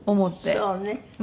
そうね。